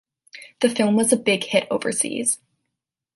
The film was a big hit overseas.